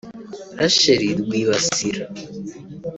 Rachel Rwibasira